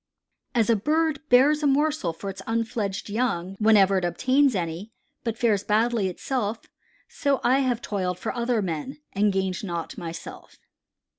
"As a bird bears a morsel for its unfledged young whenever it obtains any, but fares badly itself, so I have toiled for other men and gained naught myself."